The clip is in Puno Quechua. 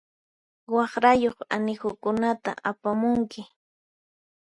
Waqrayuq anihukunata apamunki.